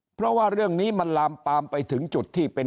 เพราะว่าเรื่องนี้มันลามปามไปถึงจุดที่เป็น